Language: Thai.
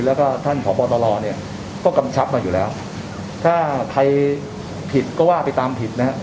แล้วก็ท่านผอบตรเนี่ยก็กำชับมาอยู่แล้วถ้าใครผิดก็ว่าไปตามผิดนะฮะ